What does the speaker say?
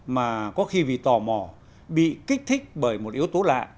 mà có khi vì tò mò bị kích thích bởi một yếu tố lạ